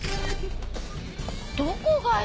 どこがよ！